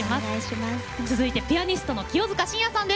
続いてピアニストの清塚信也さんです。